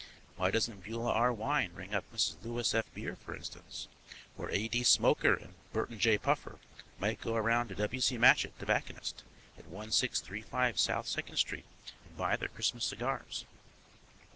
Why doesn't Beulah R. Wine ring up Mrs. Louis F. Beer, for instance? Or, A. D. Smoker and Burton J. Puffer might go around to W. C. Matchett, tobacconist, at 1635 South Second Street, and buy their Christmas cigars.